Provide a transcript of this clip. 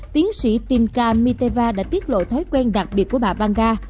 tiến sĩ tinka miteva đã tiết lộ thói quen đặc biệt của bà vanga